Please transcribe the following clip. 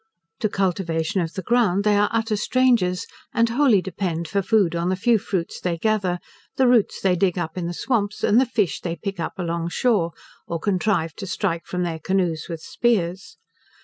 To cultivation of the ground they are utter strangers, and wholly depend for food on the few fruits they gather; the roots they dig up in the swamps; and the fish they pick up along shore, or contrive to strike from their canoes with spears.